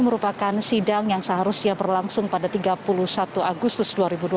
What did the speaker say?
merupakan sidang yang seharusnya berlangsung pada tiga puluh satu agustus dua ribu dua puluh